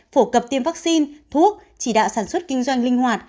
phổ cập tiêm vaccine thuốc chỉ đạo sản xuất kinh doanh linh hoạt